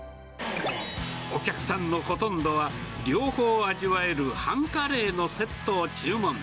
お客さんのほとんどは、両方味わえる半カレーのセットを注文。